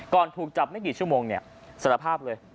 ถูกจับไม่กี่ชั่วโมงเนี่ยสารภาพเลย